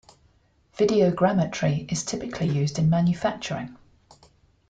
Videogrammetry is typically used in manufacturing.